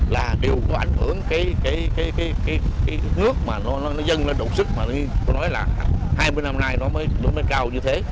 là điều có ảnh hưởng cái nước mà nó dâng lên độc sức mà nó nói là hai mươi năm nay nó mới cao như thế